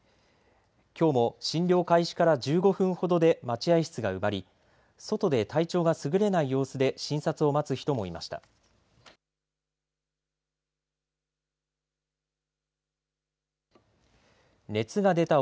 きょうも診療開始から１５分ほどで待合室が埋まり外で体調がすぐれない様子で診察を待つ人もいました。